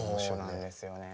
そうなんですよね。